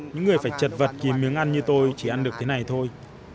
những người phải chật vật nhìn miếng ăn như tôi chỉ ăn được thế này thôi